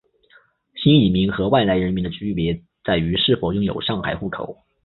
新移民和外来人员的区别在于是否拥有上海户口。